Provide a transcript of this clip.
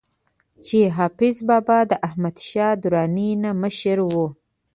چې حافظ بابا د احمد شاه دراني نه مشر وو